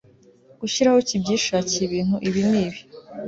gushyiraho kibyishakiye ibintu ibi n ibi